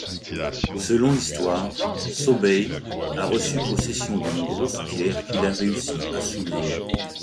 Selon l'histoire, Sobei a reçu possession d'une grosse pierre qu'il a réussi à soulever.